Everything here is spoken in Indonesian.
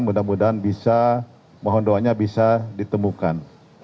mudah mudahan bisa mohon doanya bisa ditemukan